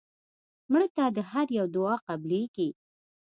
مړه ته د هر یو دعا قبلیږي